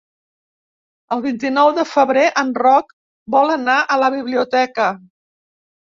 El vint-i-nou de febrer en Roc vol anar a la biblioteca.